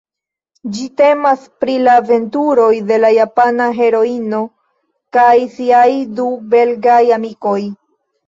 Ĝi temas pri la aventuroj de la Japana heroino kaj siaj du belgaj amikoj.